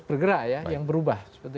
bergerak ya yang berubah